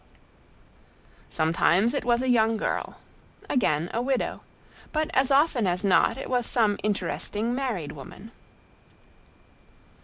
Sometimes it was a young girl, again a widow; but as often as not it was some interesting married woman.